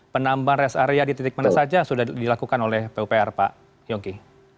penambahan rest area di titik mana saja sudah dilakukan oleh pupr pak yongki